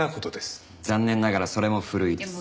残念ながらそれも古いです。